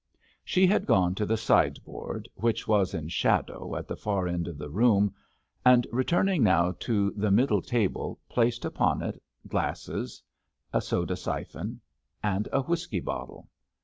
She had gone to the sideboard, which was in shadow at the far end of the room and returning now to the middle table, placed upon it glasses, a soda syphon, and a whisky bottle.